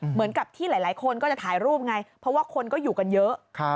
เหมือนกับที่หลายคนก็จะถ่ายรูปไงเพราะว่าคนก็อยู่กันเยอะ